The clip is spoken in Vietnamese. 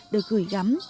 được gửi gắm